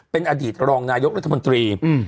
เป็นอดีตรองนายกรรภ์และรัฐมนตรี